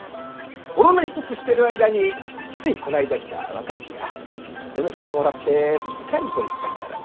ゴロ寝一つしてる間についこの間来た若い衆が嫁様もらってすっかりご立派になられてね。